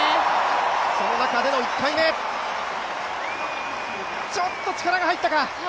その中での１回目ちょっと力が入ったか。